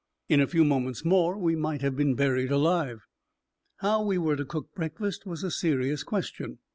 In a few moments more we might have been buried alive. How we were to cook breakfast was a serious question.